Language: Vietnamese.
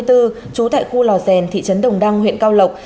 trú tại khu lò rèn thị trấn đồng đăng huyện cao lộc